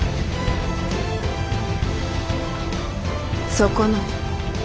そこの。